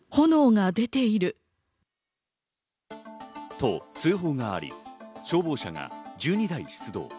と、通報があり、消防車が１２台出動。